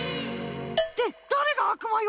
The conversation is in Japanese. ってだれがあくまよ！